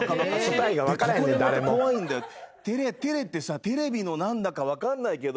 「てれ」ってさテレビの何だか分かんないけど。